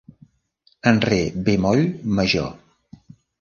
En re bemoll major.